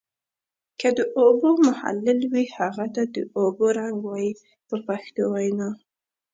که د اوبو محلل وي هغه ته د اوبو رنګ وایي په پښتو وینا.